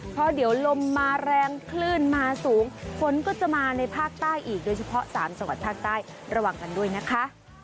เพราะเดี๋ยวลมมาแรงคลื่นมาสูงฝนก็จะมาในภาคใต้อีกโดยเฉพาะสามจังหวัดภาคใต้ระวังกันด้วยนะคะ